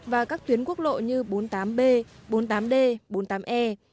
và các tuyến quốc lộ như bốn mươi tám b bốn mươi tám d bốn mươi tám e